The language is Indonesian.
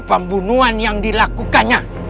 pembunuhan yang dilakukannya